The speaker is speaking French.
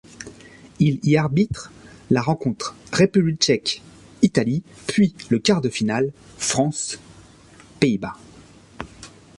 Il y arbitre la rencontre République tchèque-Italie puis le quart-de-finale France-Pays-Bas.